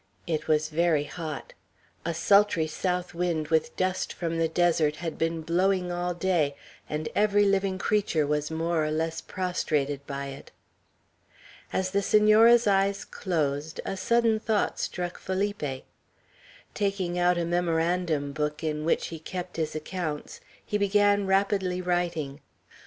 It was very hot; a sultry south wind, with dust from the desert, had been blowing all day, and every living creature was more or less prostrated by it. As the Senora's eyes closed, a sudden thought struck Felipe. Taking out a memorandum book in which he kept his accounts, he began rapidly writing.